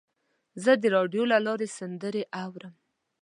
زه د راډیو له لارې سندرې اورم.